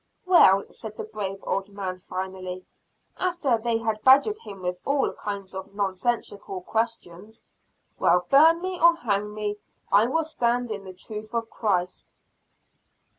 "Well," said the brave old man finally, after they had badgered him with all kinds of nonsensical questions, "Well, burn me, or hang me, I will stand in the truth of Christ!"